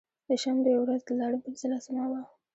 د شبې و رځ د لړم پنځلسمه وه.